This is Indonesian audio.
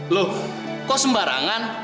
loh kok sembarangan